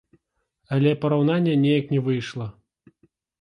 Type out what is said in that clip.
Але параўнання неяк не выйшла.